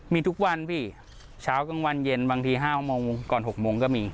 มีทุกวันพี่เช้ากลางวันเย็นบางที๕โมงก่อน๖โมงก็มี